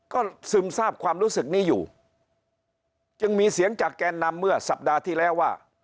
ก็ซึมทราบความรู้สึกนี้อยู่จึงมีเสียงจากแกนนำเมื่อสัปดาห์ที่แล้วว่า